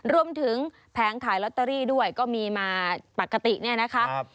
รวมถึงแพ้งขายล็อตเตอรี่ด้วยก็มีมาปกติแน่นะคะ